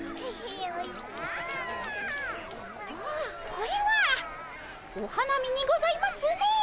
これはお花見にございますね。